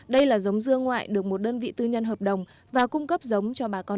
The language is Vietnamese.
đây là giống dưa ngoại được một đơn vị tư nhân hợp đồng và cung cấp giống cho bà con